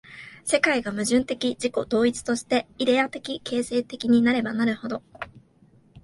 世界が矛盾的自己同一として、イデヤ的形成的なればなるほど、